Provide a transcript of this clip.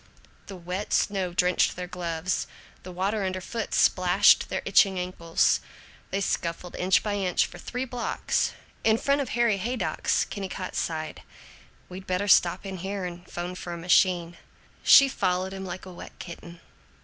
The wet snow drenched their gloves; the water underfoot splashed their itching ankles. They scuffled inch by inch for three blocks. In front of Harry Haydock's Kennicott sighed: "We better stop in here and 'phone for a machine." She followed him like a wet kitten.